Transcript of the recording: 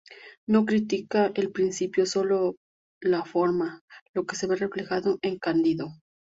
No critica el principio, solo la forma, lo que se ve reflejado en "Cándido".